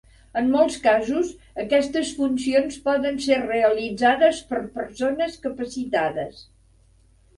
En molts casos, aquestes funcions poden ser realitzades per persones capacitades.